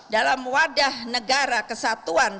dalam wadah negara kesatuan